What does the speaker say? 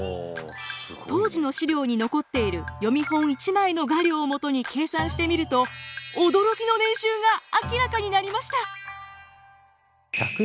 当時の資料に残っている読本一枚の画料をもとに計算してみると驚きの年収が明らかになりました。